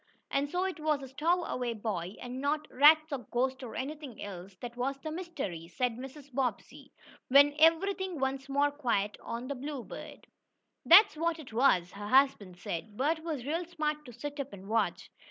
"And so it was a stowaway boy, and not rats or ghosts or anything else that was the mystery," said Mrs. Bobbsey, when everything once more quiet on the Bluebird. "That's what it was," her husband said "Bert was real smart to sit up and watch."